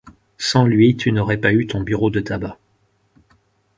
Sans lui, tu n’aurais pas eu ton bureau de tabac.